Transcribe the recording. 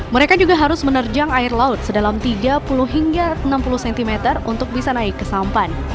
mereka juga harus menerjang air laut sedalam tiga puluh hingga enam puluh cm untuk bisa naik ke sampan